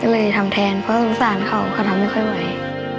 ก็เลยทำแทนเพราะสงสารเขาเขาทำไม่ค่อยไหว